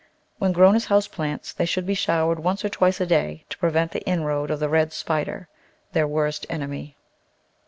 When grown as house plants they should be showered once or twice a day to prevent the inroads of the red spider — their worst enemy.